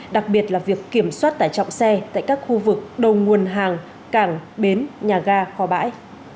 đặc biệt là việc kiểm soát tải trọng xe tại các khu vực đầu nguồn hàng cảng bến nhà ga kho bãi